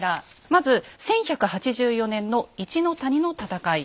まず１１８４年の一の谷の戦い。